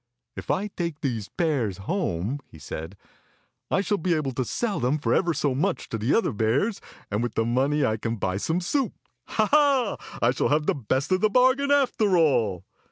"'If I take these pears home," he said, "I shall be able to sell them for ever so much to the other bears, and with the money I can buy some soup. Ha, ha! I shall have the best of the bargain after all!"